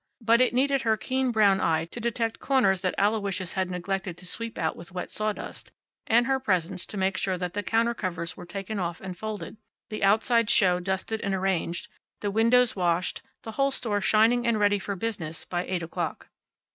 But it needed her keen brown eye to detect corners that Aloysius had neglected to sweep out with wet sawdust, and her presence to make sure that the counter covers were taken off and folded, the outside show dusted and arranged, the windows washed, the whole store shining and ready for business by eight o'clock.